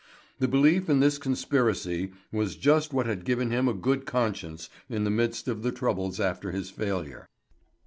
The belief in this conspiracy was just what had given him a good conscience in the midst of the troubles after his failure.